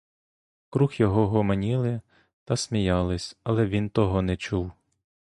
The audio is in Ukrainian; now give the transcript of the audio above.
Круг його гомоніли та сміялись, але він того не чув.